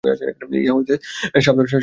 ইহা হইতে সাবধান হইতে হইবে।